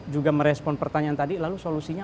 juga merespon pertanyaan tadi lalu solusinya